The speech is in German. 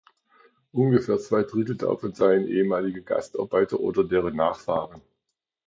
Ungefähr zwei Drittel davon seien ehemalige Gastarbeiter oder deren Nachfahren.